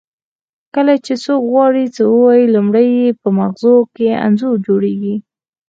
کله چې څوک غواړي څه ووایي لومړی یې په مغزو کې انځور جوړیږي